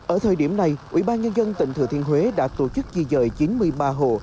ở thời điểm này ủy ban nhân dân tỉnh thừa thiên huế đã tổ chức di dời chín mươi ba hộ